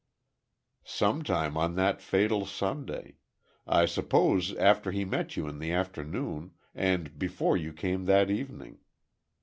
"Sometime on that fatal Sunday. I suppose after he met you in the afternoon, and before you came that evening.